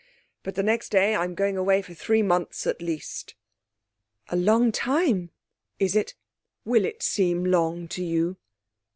But the next day I'm going away for three months at least.' 'A long time.' 'Is it? Will it seem long to you?'